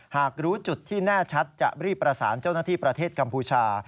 หากรู้จุดที่แน่ชัดจะรีบประสานเจ้าหน้าที่ประเทศกัมพูชา